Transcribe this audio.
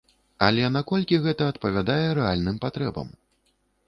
Але наколькі гэта адпавядае рэальным патрэбам?